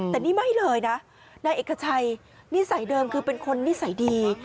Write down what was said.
แต่นี่ไม่เลยนะนายเอกชัยนิสัยเดิมคือเป็นคนนิสัยดี